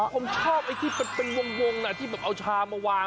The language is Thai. ผมชอบไอ้ที่เป็นวงที่แบบเอาชามาวาง